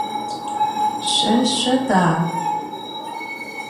Şso şsoda?